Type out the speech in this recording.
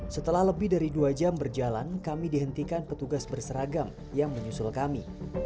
setelah lebih dari dua jam berjalan kami dihentikan petugas berseragam yang menyusul kami